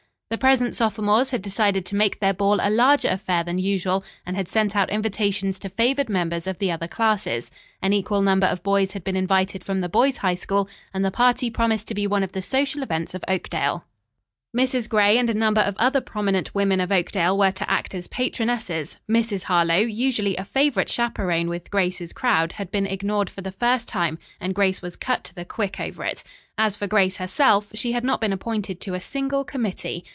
The present sophomores had decided to make their ball a larger affair than usual, and had sent out invitations to favored members of the other classes. An equal number of boys had been invited from the boys' High School, and the party promised to be one of the social events of Oakdale. Mrs. Gray and a number of other prominent women of Oakdale, were to act as patronesses. Mrs. Harlowe, usually a favorite chaperon with Grace's crowd, had been ignored for the first time, and Grace was cut to the quick over it. As for Grace herself, she had not been appointed to a single committee.